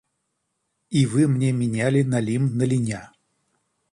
И вы мне меняли налим на линя.